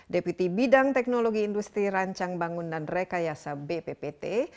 deputi bidang teknologi industri rancang bangunan rekayasa bppt